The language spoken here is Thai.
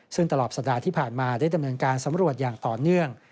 ซึ่งตลอดสัปดาห์ที่ผ่านมาได้ดำเนินการสำรวจอย่างต่อเนื่อง